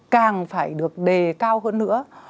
càng phải được đề cao hơn nữa